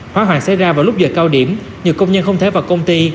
hóa hoàng xảy ra vào lúc giờ cao điểm nhiều công nhân không thể vào công ty